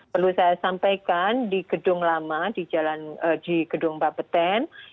perlu saya sampaikan di gedung lama di gedung bapeten